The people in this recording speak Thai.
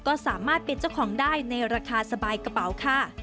ก็สามารถเป็นเจ้าของได้ในราคาสบายกระเป๋าค่ะ